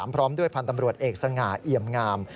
พร้อมด้วยพันธ์ตำรวจเอกสง่าเอี่ยมงาม